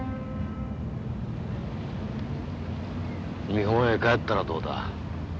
日本へ帰ったらどうだ？